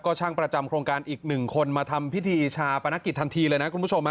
ช่างประจำโครงการอีก๑คนมาทำพิธีชาปนกิจทันทีเลยนะคุณผู้ชม